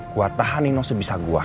gue tahanin lo sebisa gue